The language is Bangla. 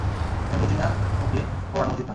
আমি বলছি না ওকে পোড়ানো উচিত নয়।